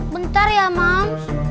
bentar ya mams